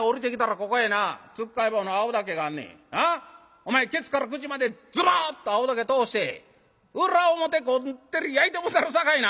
お前ケツから口までズボッと青竹通して裏表こってり焼いてもうたるさかいな」。